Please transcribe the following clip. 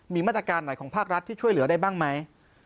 มีมาตรการไหนของภาครัฐที่ช่วยเหลือได้บ้างไหม